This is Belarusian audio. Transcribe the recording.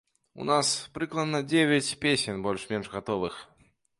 У нас прыкладна дзевяць песень больш-менш гатовых.